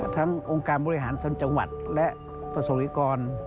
ทั้งองค์การมูริหารทั้งจังหวัดและประสงค์อีกร